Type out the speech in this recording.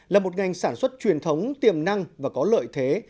là một ngành sản xuất truyền thống tiềm năng và có lợi thế